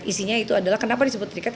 isinya itu adalah kenapa disebut berikat